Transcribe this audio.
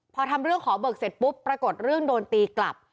พอทำเรื่องขอเบิกเสร็จปุ๊บปรากฏเรื่องโดนตีกลับ